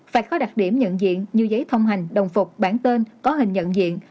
phải có đặc điểm nhận diện như giấy thông hành đồng phục bản tên có hình nhận diện